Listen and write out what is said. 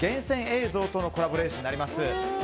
厳選映像とのコラボレーションになります。